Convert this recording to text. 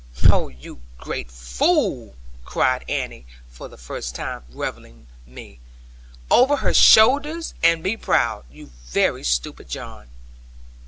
Oh, you great fool,' cried Annie, for the first time reviling me; 'over her shoulders; and be proud, you very stupid John.'